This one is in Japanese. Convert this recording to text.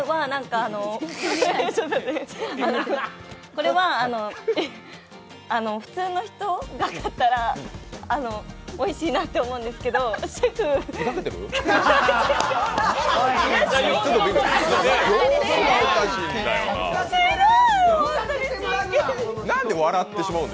これは普通の人が買ったらおいしいなと思うんですけどふざけてる？